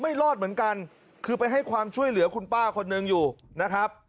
ไม่รอดเหมือนกันคือไปให้ความช่วยเหลือคุณป้าคนหนึ่งอยู่นะครับ